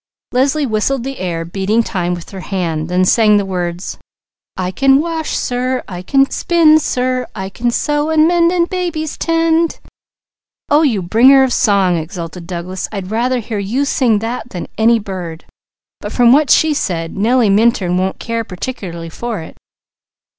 Leslie whistled the air, beating time with her hand, then sang the words: "I can wash, sir, I can spin, sir, I can sew and mend, and babies tend." "Oh you 'Bringer of Song!'" exulted Douglas. "I'd rather hear you sing that than any bird, but from what she said, Nellie Minturn won't care particularly for it!"